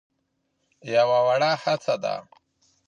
يوه وړه هڅه ده.